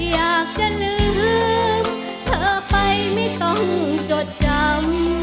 อยากจะลืมเธอไปไม่ต้องจดจำ